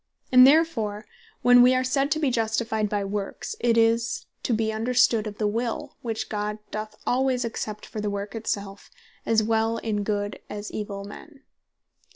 And therefore when wee are said to be Justified by Works, it is to be understood of the Will, which God doth alwaies accept for the Work it selfe, as well in good, as in evill men.